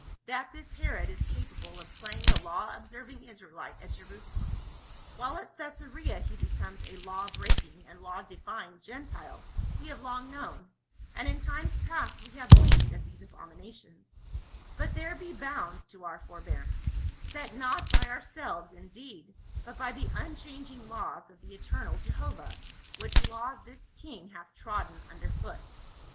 " That this Herod is capable of playing the law observing Israelite at Jerusalem, while at Caesarea he becomes a law breaking and law defying Gentile we have long known, and in times past we have winked at these abominations ; but there be bounds to our forbearance, set not by ourselves in deed but by the unchanging laws of the eternal Jehovah, which laws this king hath trodden underfoot.